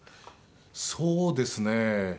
そうですね。